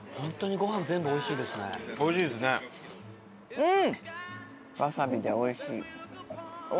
うん！